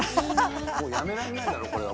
もうやめらんないだろ、これは。